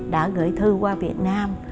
đã gửi thư qua việt nam